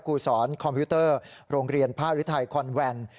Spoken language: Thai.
ครูสอนคอมพิวเตอร์โรงเรียนผ้าฤทัยคอนแวน